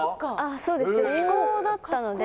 そうです、女子校だったので。